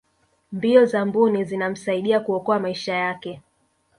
mbio za mbuni zinamsaidia kuokoa maisha yake